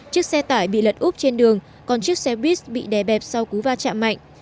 chiếc xe tải bị lật úp trên đường còn chiếc xe buýt bị đè bẹp sau cú va chạm mạnh